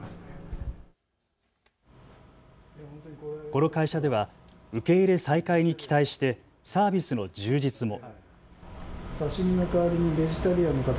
この会社では受け入れ再開に期待してサービスの充実も。